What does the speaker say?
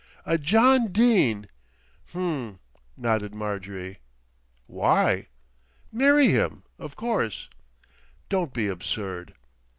"A John Dene!" "Ummm!" nodded Marjorie. "Why?" "Marry him, of course." "Don't be absurd."